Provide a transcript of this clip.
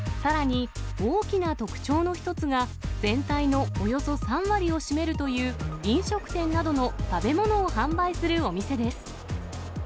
さらに、大きな特徴の一つが、全体のおよそ３割を占めるという、飲食店などの食べ物を販売するお店です。